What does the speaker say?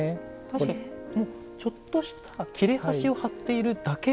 確かにちょっとした切れ端を貼っているだけ。